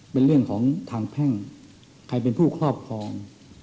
เป็นเรื่องของทางแพ่งใครเป็นผู้ครอบครอง